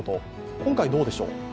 今回、どうでしょう。